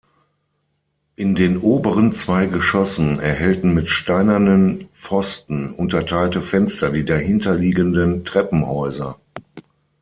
In den oberen zwei Geschossen erhellten mit steinernen Pfosten unterteilte Fenster die dahinterliegenden Treppenhäuser.